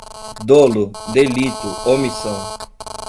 dolo, delito, omissão